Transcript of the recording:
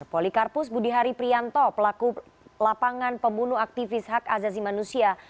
polikarpus budihari prianto pelaku lapangan pembunuh aktivis hak azazi manusia